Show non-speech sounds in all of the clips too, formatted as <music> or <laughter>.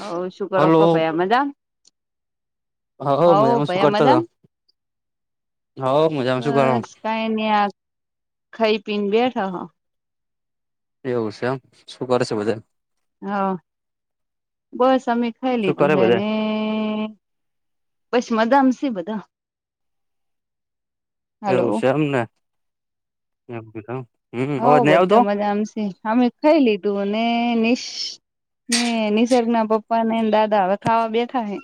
હ શુગર ઓ ખ હલો ભયા મજા હવ મજામાં શું ભાઇયા કરતા મજામાં હતા હવ મજામાં શું કરો બસ કઈને આ ખાઈ પીન બેઠો. એવું છે એમ. શું કરે છે બધા? હા બસ અમે ખાય શું લીધુ કરે બધા હેને. બસ મજા માં છે બધા. હલો એવું છે એમને એમ કીધું. હઉ બધા મજા આમ છે અમે ખાઈ લીધું અને નિ ને નિસર્ગ ના પપ્પા ને દાદા હવે ખાવા બેઠા હે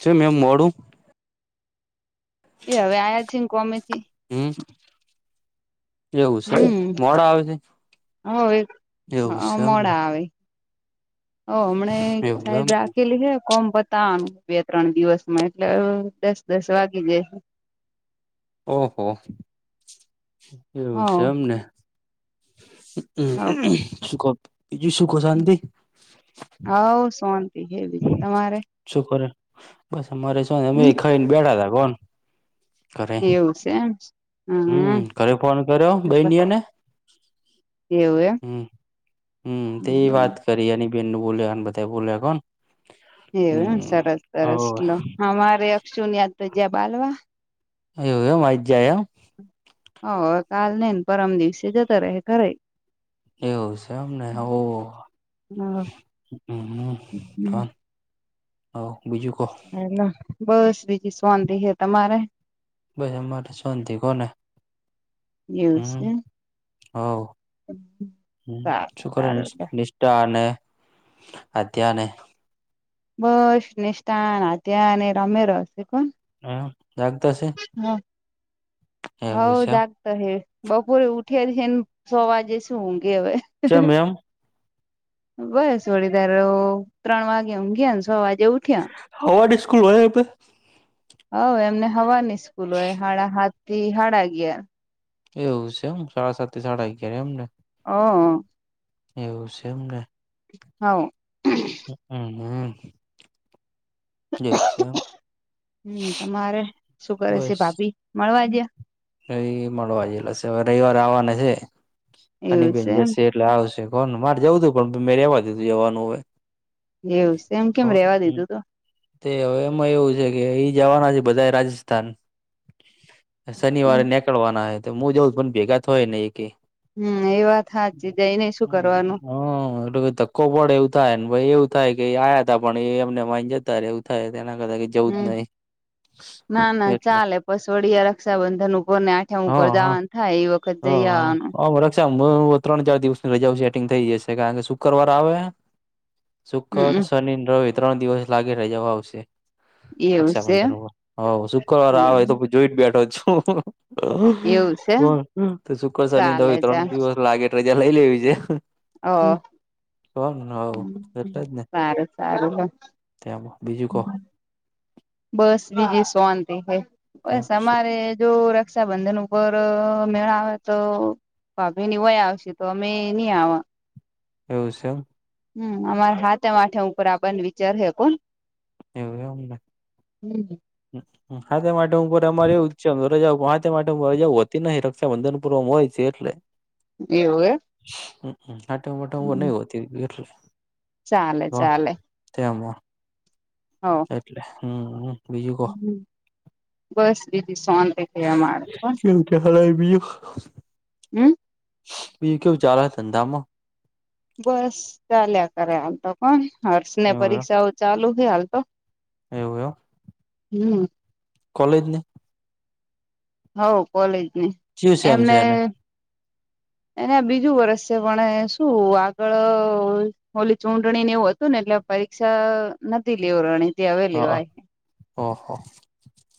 શું નેમ મોડું એ હવે આયા જ છે ને કોમેથી હમ્મ એવું છે મોડા આવસે. હઓ એક હઅ મોડા આવે હઓ હમણે એક એવું સાઈડ એમ રાખેલી હે કોમ પતાવાનું બે ત્રણ દિવસ મારે એટલે દસ દસ વાગી જાય હે ઓહો હો હ એવું છે એમને શું કો બીજું શું કો શાંતિ હઓ શોતિ હે બીજું તમારે શું કરે બસ અમારે શું અમે ખાઈને બેઠા તા બોન એવું સે એમ. હમ્મ હમ ઘરે ફોન કર્યો બાઈનિય ને. એવુ એમ હમ્મ. કરિયાની બેનનું બોલ્યાન બધા બોલ્યા કોન એવું એમ સરસ સરસ લો અમારે અક્ષુની આજ તો જ્યાં બાલવા એવું એમ આવી જાય એમ. હ કાલ નહી પરમ દિવસે જતા રહે ઘરે. એવું છે એમને ઓ હમ્મ હઓ બીજું કો હલો બસ બીજી શોન્તિ હે તમારે. બસ અમારે શાંતિ કોને. એવું હમ્મ છે હાઓ હમ્મ સારું શું કરે સારું લે અંશની ટા ને અત્યારે બસ નિષ્ટાન, આધ્યા ને રમે રહશે કોન. અ જાગતા હશે હ હઓ છે એમ જાગ તો હ બપોરે ઉઠ્યા હેને છ વાગે શું ઉંગે હવે. ચેમ એમ બસ વળીતાર ત્રણ વાગે ઉધયા ન છ વાગે ઉઠય હવાડની સ્કૂલ હોય એ પે હઓ એમને હવારની સ્કૂલ હોય હાડા હાત થી હાડા અગ્યાર એવું છે એમ સાડા સાત થી સાડા અગિયાર એમ ને હ એવું છે એમને હાઓ હમ્મ હમ્મ તમારે શું કરે છે બસ ભાભી મળવા ગયા. એ મળવા જેલાશે હવે રવિવાર આવવાના છે અને એવું બેન છે એમ જશે એટલે આવશે કોને મારે જવું તું પણ મેં રેવા દીધું જવાનું હવે. એવું છે એમ કેમ કોણ રેવા દીધું તું. તે હવે એમાં એવું છે કે ઈ જવાના છે બધા રાજસ્થાન. એમ શનિવારે નેકળવાના હે તો હું જઉં પણ ભેગા થોય નઈ એકે. હમ્મ એ વાત હાચી જયનેય શું કરવાનું. <unintelligible> ધક્કો પણ એવું થાય ને પઈ એવું થાય કે એ આયા હતા પણ એમનેમ માઈ ન જતા રયા એવું થાય એના કરતા કીધ જવું જ હમ નહી એટલે બસવડી આ રક્ષાબંધન ઉપર ને આઠમ ઉપર હા હા જાવાનું થાય એ વખત જઈ આવવાનું સાંભડ ત્રણ ચાર દિવસની રજાઓ સેટિંગ થઈ જશે કારણ કે શુકવાર આવે હે શુક્કર, હમ શનિ ને રવિ ત્રણ દિવસ લાગે રજાઓ આવશે. એવું છે રક્ષાબંધન ઉપર હઓ શુક્રવાર આવે તો હુ જોઈન બેઠો છું. એવું છે પણ શુક્ર શનિ ને ચાલે રવી ત્રણ ચાલે દિવસ લાગે રજા લઈ લેવી જોઇઍ હમ હ સારું સારું હ. ત્યાં બીજું કહો. બસ બીજી સોંતિ હ એમ બસ શું અમારે જો. રક્ષાબંધન ઉપર મેળા આવે તો. ભ ભે <unintelligible> એની વય આવશે તો અમે નહી આવા. એવું છે. હમ અમારા હા માથે ઉપર આપણને વિચાર હ કોણ. હમ. હા તે માટે હું ઉપર અમારે એવું છે. રજા વા તે માટે રજાતી નહ રક્ષા બંધન પૂર્વ હોય છે એટલે. એવું હ. હ આટ મોટ ઊર નહી હોતી. ચાલે ચાલે. અમાં. હ. એટલે હમ. બીજું કો બસ બીજી સોને થ મારે પણ. કેરાય ગીયુ - હમ. બીજૂ કેવું ચાલે ધંધામાં. બસ ચાલ્યા કરે હાલ તો કોણ હર્ષને એવું એમ પરીક્ષાઓ ચાલુ છેય હાલ તો. એવું એવ. હમ. કોલેજને. હ કોલેજની જીવ સેમ છે એમને. એને એ બીજું વર્ષ છે પણ શું આગળ. ઓલી ચૂંટણી ને એવું હતું ને એટલે પરીક્ષા નથી લેવ રણી તે હવે લેવાય. હ હા.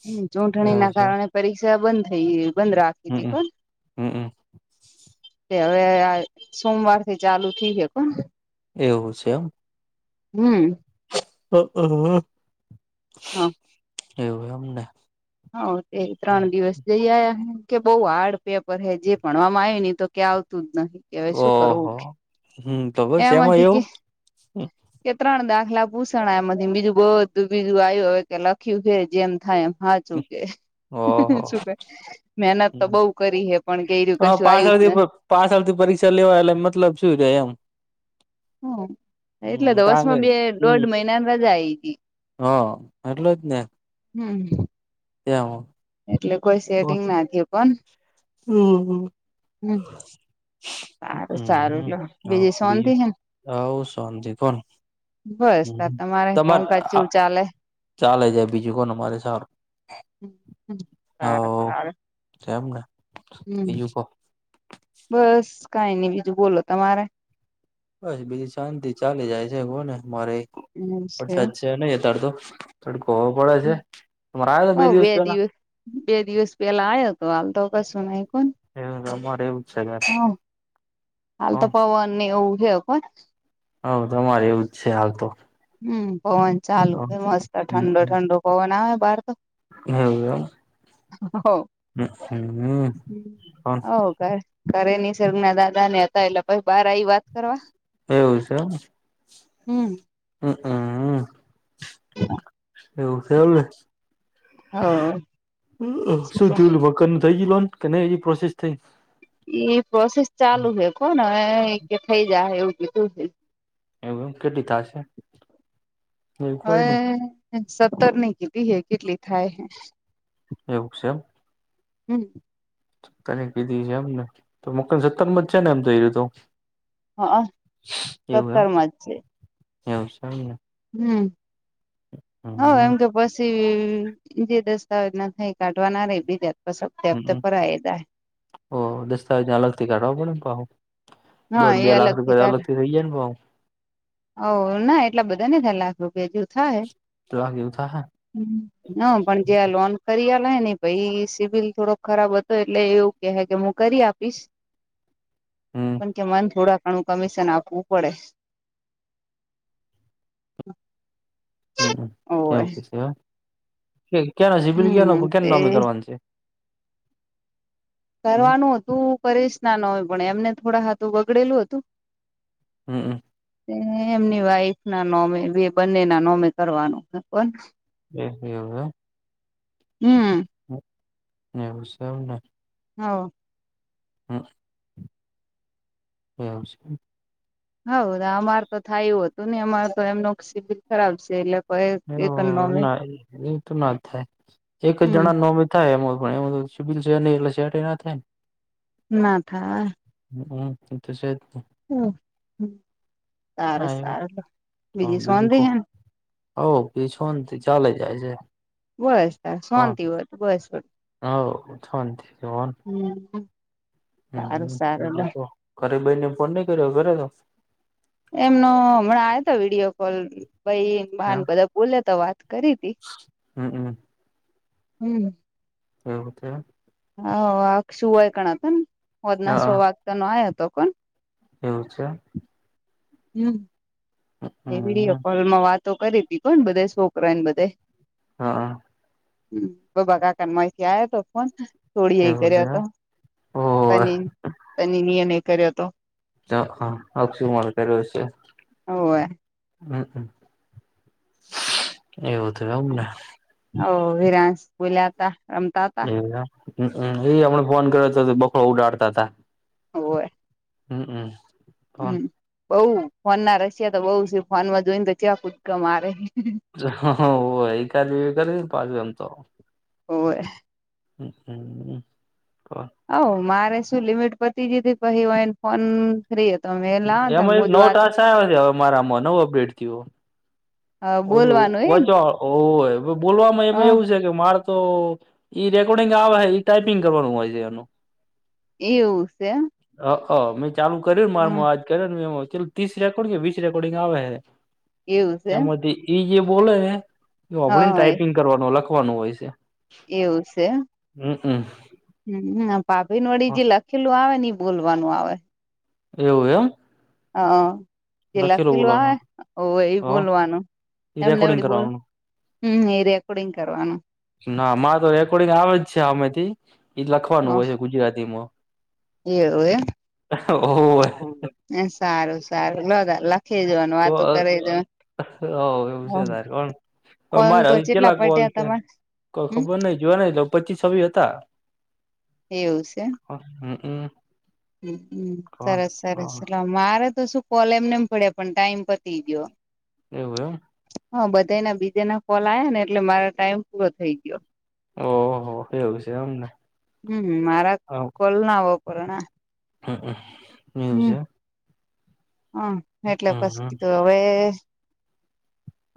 હમ ચૂંટણી એવું ના છે એમ કારણે પરીક્ષા બંધ થઈ બંધ રાખી હતી હમમ પણ. હમમ હવે આ સોમવાર થી ચાલુ થઇ હ કોણ. એવું છે એમ. હમ. ઓ ઓહ. હા. એવું એમ ને. હા તે ત્રણ દિવસ. જઈ આ કે બઉુ હાર્ડ પેપર હે જે ભણવામાં આવી નને તો ક્યાં આવતું જ નહી. કે હવે શું કરવું ઓહો કે હમ તો બસ એમાં એમાંથી કે. એવું કે ત્રણ દાખલા ભૂષણ એમ બીજું બું બીજું આ્યું હવે કે લખ્યું છે જેમ થાય એમ હા. શું કે ઓહો શું કે. મહેનત તો બઉ કરી હે પણ કેયું કશું આવ્યુંજ ને. પાસ આવતી પરીક્ષા લેવા એટલે મતલબ શું છે એમ. હમ એટલે હમ ટાંગે દવસમાં બે હમ દોઢ મહિના રજા આવી હતી. હા એટલેજ ને. હમ. એમ એટલે કોઈ સેટિંગ ના થિયું પણ હમ્મ હમ્મ. હમ્મ હમ્મ હમ્મ હઓ શાંતિ બીજું હે ને હઓ શોંતિ પણ બસ તાર તમારે કોમકાજ ચેવું ચાલે. ચાલે જાય બીજું કોન અમાંરે સારું. સારુ સારુ એમ ને હમ્મ બસ કાઈ નઈ બીજું બોલો તમારે બસ બીજી શાંતિ ચાલી જાય છે, કો ને મારે વરસાદ છે નહી અત્યારે તડકો પડે છે. તમારે આવ્યો હતો ઓ બે પેલા દિવસ બે દિવસ પેલા આયો હતો હાલ તો કશું નહી કોન એ અમારે એવું જ છે હમ્મ હાલ તો કોણ પવનને એવું છે કોન હ તમારે એવું જ છે હાલ તો હમ્મ પવન ચાલુ હે એવું મસ્ત ઠંડો ઠંડો પવન આવે બહાર તો હ એવું હો એ હું હમ પણ ઓ <unintelligible> ઘરે નીસર્ગના દાદા ને હતા એટલે પહિ બાર આવી વાત કરવા. એવું છે એમ. હમ્મ. હઅ એવું છે, એમને હ શું થયું ઉલુ મકાન નું થઈ જી લોન કે ન એ પ્રોસેસ થઈ ઈ પ્રોસેસ ચાલુ હે કોન હવે એ કે થઇ જાહે એવું કીધું છે. એવુ એમ કેટલી થાશે. હવે સત્તર ની કીધી હે, કેટલી થાય હે એવું છે એમ હમ્મ. કરી દીધી છે, એમને તો મકાન સત્તર માં જ છે ને એમ તો ઈરહ્યું તો હઅ એવું એમ સત્તર માં જ છે. એવું છે ને એમને. હમ્મ. હઓ એમ હમ કે પછી જે દસ્તાવેજ ના થઈ કાઢવાના રે બીજા બસ હપ્તે હપ્તે હમ ભરાએ જાહે. ઓ દસ્તાવેજને અલગથી કાઢાવો પડે ને પાહો હા દોઢ એ બે લાખ અલગ રૂપિયા અલગથી થઇ જાય ને પાહો હઓના એટલા બધા નઈ થાય લાખ રૂપિયા જેવું થાહે. લાખ એવું થાહે ન પણ જે આ લોન કરિયાલ હને એ ભઈ સિવિલ થોડોક ખરાબ હતો એટલે એવું કેહે કે હું કરી આપીશ હમ પણ કે મને થોડા ઘણું કમિશન આપવું પડે. <inaudible> હમ્મ ઓવે એવું કેસે એ એ ક્યાં નો સિવિલ ક્યા હમ નો કેન તે નામે કરવાન છે હમ કરવાનું હતું પરેશ ના નોમે પણ એમને થોડા હાથું બગડેલું હતું હમ્મ અ એ એમની વાઈફ ના નોમે બે બંને ના નોમે કરવાનું કોન એ એવું એમ હમ્મ એવું સ ને. હઓ હમ્મ. એવું છે હવ અમાર તો થાય એવું હતું ને અમાર તો એમનું <inaudible> શિબિર ખરાબ છે, એટલે. કોઈ હ એક નોમે ના એ તો ના થાય એક જ હમ જણા નોમ. થાય એ એબ છે, એટલે થાય ને ના થા. હમ્મ એતે સેજ ને. સારુ હા એ સારુ લો બીજી શોંતિ હે ન. હો બીજી શોંતિ ચાલે જાય છે. બસ ત શોંતિ હોય ત બસ પણ. હાવ શોંતિ જ હોય ને. સારું સારું બીજું લો. તો ઘરે બેનને ફોન નઈ કર્યો હોય <unintelligible> એમનો હમણાં આયો તો વિડીયોકોલ ભઈએ બા ને બધા બોલ્યાતા વાત કરીતી. હું હું. હમ્મ. એવું થ્યું. હો અકશું ઓય કણા તન હોજના સો હા વાગતાન આયોતો ફોન. એવું છે? હમ્મ. એ વિડિયો હમ કોલમાં વાતો કરીતી કોન બધે છોકરા એને બધે. હા. ગોબા કાકામાં માયથી આયો હતો ફોન સોડી એય એવું કર્યો છે હતો. ઓવે તને એની મેં એને કર્યો હતો. એ હા આકશુ માથે કર્યો હશે. હોવે. હમ્મ એવું હતું એમ ને? ઓ વિરાંસ બુલાયા તા. રમતા તા અરે વાહ! જેદી આપણાન ફોન કર્યોતો તેદિ બખો ઉડાડતા હતા. હોવે. હું હું. હમ્મ બઉ ફોનના રશિયા તો બઉ સે ફોનમાં જોઈને તો ચેવા કુદકા મારે‌. જે એકાદું કરી પાછુ એમ તો. હોવે. કોન. હવ મારે શું લિમિટ પતી જીતી પસી વાણ. ફોન કરીએ તો અમે વેલા હતા એમાં એક મુજ નવો વાત. ટાસ્ક આવ્યો છે હવે મારામાં <unintelligible> ઓલુ બોલવાનું એ વોચવા હોવે બોલવામાં હ એમાં એવું સે. ‌એક માર તો ઈ રેકોર્ડિંગ આવે હે ટાઈપિંગ કરવાનું હોય છે એનું. એવું સે એમ. મુ ચાલુ કર્યુંન મારમ આજ કર્યોએ કેટ ત્રીસ રેકોર્ડિંગ કે વીસ રેકોર્ડિંગ આવે હે. એવું છે એમાંથી ઇ જે બોલે હે એ હા હોભળીને હોય ટાઈપિંગ કરવાનું લખવાનું હોય છે. એવું છે. હુ હમ માર ભાભી ને વડી જે લખેલું આવે ઈ બોલવાનું આવે. એવું એમ? હા જે લખેલું લખીલુ બોલવાનું આવે હોવે ઈ હ બોલવાનું ઈ રેકોર્ડિંગ એમનેવડી બોલ કરવાનું હમ એ રેકોર્ડિંગ કરવાનું ના મારે તો રેકોર્ડિંગ આવે જ છે. હામેથી એ હ લખવાનું હોય હે ગુજરાતીમાં. એવું એ ઓ હોવે. એ સારું સારું લો અગ લખી દેવાનું વાતો કરી દેવા. હા એવું છે તારે કોણ હવે કોલ મારે તો હજુ ચેટલા કેટલાક કોલ પટ્યા થયા. તમારે કોઈ હમ ખબર નહી જોયા નઈ લગ પચી સવી હતા એવું સે એમ હ હમ્મ સરસ સરસ હા મારે તો શું કોલ એમનેમ પડ્યા પણ ટાઈમ પતી ગયો. એવું એમ. હા બધા ના બીજે ના કોલ આવ્યા ને એટલે મારો ટાઈમ પૂરો થઈ ગયો. ઓહ એવું છે એમને. હમ મારા કોલ ના વપરા ના. હા હ. હમ હ એટલે પસી હમમ તો હવે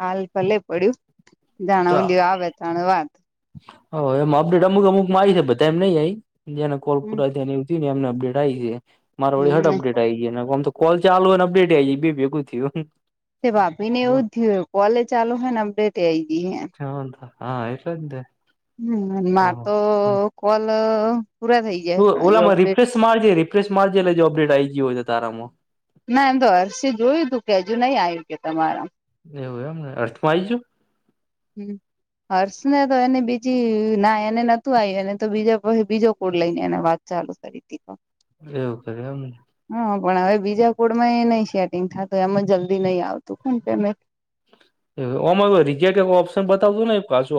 હાલ ભલે પડ્યું દાણા ઓલી આવે ધણવાદ. હ એમ અપડેટ અમુક અમુકમાં આયી છે બધા મા નઈ આઈ જે ને કોલ હમ પુરા થયા. અમને અપડેટ આયી હે મારે વદી હટ હમ અપડેટ આયી આમ તો કોલ ચાલુ અને અપડેટ આઈ બે ભેગું થયું. તે ભાભી ને એવુંજ થયું કોલે ચાલુ હે ને અડેટે આઈ ગઈ હે. <unintelligible> હા એટલેજ ને. હમ મા તો કોલ. પૂરા થઈ જાય ત પણ હજુ ઓલામાં અપડેટ રિપ્લેસ મારજે રિપ્લેસ મારજે એટલે જો અપડેટ આ આવી ગયો હોય છે તારામાં. ના એમ તો હર્ષ જોયું તું કે હજુ નઈ આવ્યું કે તમારા. એવું એમ ને અર્થમાં આવી જું. હમ. હર્ષ ને તો એને બીજી ના એને નતું આવ્યું એને તો બીજા પછી બીજો કોડ લઈને એને વાત ચાલુ કરી <inaudible> એવું કરે એમને. હા પણ હવે બીજા કોડમાં એ નહી સેટિંગ થતું એમાં જલ્દી નહી આવતું <unintelligible> ઓમ રિજેક્ટ નું ઓપ્શન બતાવતું ની પાછુ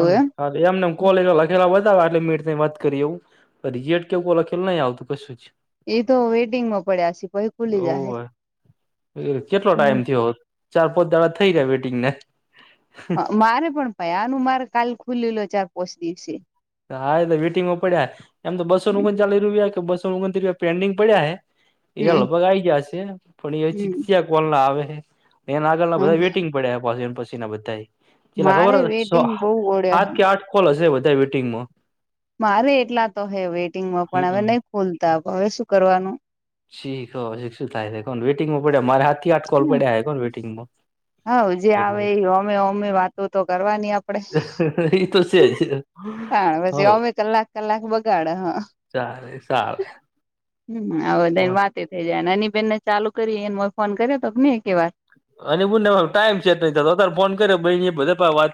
હને હા એમને એમ કોલે લખેલા વધ એટલે મે વાત કરી એવું. અ રીજેેકટ એવું લખેલું નઈ આવતું કશું જ એ તો વેટિંગ માં પડ્યાશે પછી ખુલી જાહે ઓવે કેટલો હમ ટાઈમ થયો ચાર પાંચ દાડો થઈ ગયા વેટિંગને. હ મારે પણ પાય આનું મારે કાલ ખુલેલો ચાર પોંચ દિ શે હા તો વેટંગોડ્યા એમ બસોને હમ ઓગણચાલીસ રૂપિયા કે બસો ઓગણતસ રૂપિયા પેન્ડિંગ પડ્યા હે. એના હમ લગભગ આઈ ગયા છે પણ એ ચિકચિયા કોલ ના આવે. એને આગળ ના બધા હમ વેટિંગ પડે એ પા એમ પછી ના બધાય પેલા ખબર મારે હ વેટિંગ બહુ ઓળ્યા સાત કે આઠ કોલ હશે બધા વીટિંગમાં. મારે એટલા તો હે વેઇટિંગમાં પણ હવે હમમ નહી ખોલતા હવે શું કરવાનું. શીખ થાય કો વેટિંગમાં પડ્યા મારે હા થી આઠ કોલ પડ્યા હ કો વેટિંગમાં. હા જે આવે એ હોમે હોમે વાતો તો કરવાની આપડે. એટલે એ તો છે. તણ હો પછી ઓમે કલાક કલાક બગાડ હ સારલે સાર હમ હવેને વાત થઇ જાય એની બેહેનને ચાલુ કરી એને ફોન કર્યો તો ને એક એ વાર. અને બું ને ટાઈમ છે નત ફોન કર્યો ભાઈ બધે વાત.